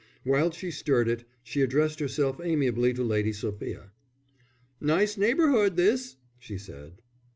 While she stirred it, she addressed herself amiably to Lady Sophia. "Nice neighbourhood this!" she said.